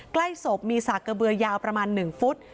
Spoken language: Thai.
ใกล้ศพมีสากกระเบือยาวประมาณ๑ฟุต